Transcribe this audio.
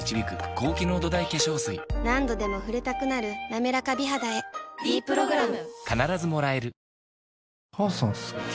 何度でも触れたくなる「なめらか美肌」へ「ｄプログラム」